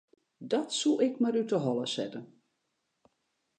Dat soe ik mar út 'e holle sette.